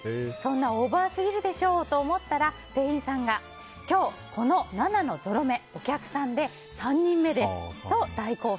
オーバーすぎるでしょと思ったら店員さんが今日この７のぞろ目お客さんで３人目ですと大興奮。